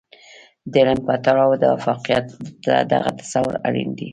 د علم په تړاو د افاقيت دغه تصور اړين دی.